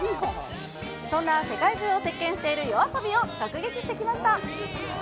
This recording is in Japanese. そんな世界中を席けんしているＹＯＡＳＯＢＩを直撃してきました。